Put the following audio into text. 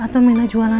atau minah jualan